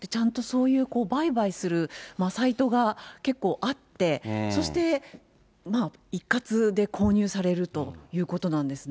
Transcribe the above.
ちゃんとそういう売買するサイトが結構あって、そして一括で購入されるということなんですね。